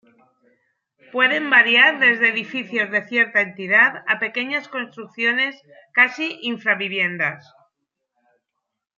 Pueden variar desde edificios de cierta entidad, a pequeñas construcciones casi infra-viviendas.